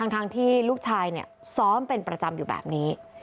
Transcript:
ทั้งที่ลูกชายซ้อมเป็นประจำอยู่แบบนี้